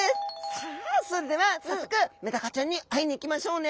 さあそれでは早速メダカちゃんに会いに行きましょうね。